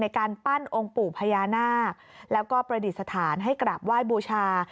การปั้นองค์ปู่พญานาคแล้วก็ประดิษฐานให้กราบไหว้บูชา